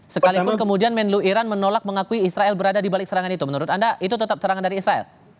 sekalipun kemudian menlu iran menolak mengakui israel berada di balik serangan itu menurut anda itu tetap serangan dari israel